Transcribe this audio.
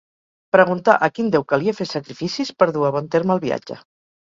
preguntà a quin déu calia fer sacrificis per dur a bon terme el viatge